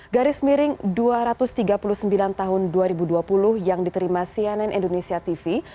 garis miring dua ratus tiga puluh sembilan tahun dua ribu dua puluh yang diterima cnn indonesia tv